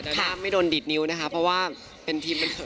แต่ถ้าไม่โดนดีดนิ้วนะคะเพราะว่าเป็นทีมบันเทิง